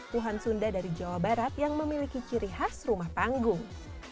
tuhan sunda dari jawa barat yang memiliki ciri khas rumah panggung